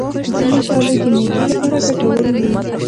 ځینې ژاولې د معدې لپاره ګټورې وي.